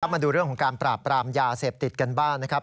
มาดูเรื่องของการปราบปรามยาเสพติดกันบ้างนะครับ